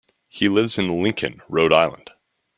He lives in Lincoln, Rhode Island.